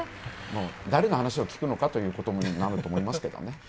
誰の話を聞くのかということになると思いますけどね。